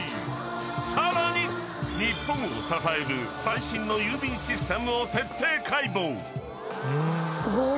更に、日本を支える最新の郵便システムを徹底解剖。